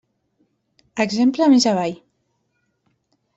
Exemple més avall.